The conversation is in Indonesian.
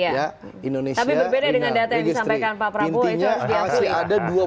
tapi berbeda dengan data yang disampaikan pak prabowo itu harus diakui